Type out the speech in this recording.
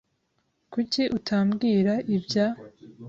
Kuki utambwira ibya ?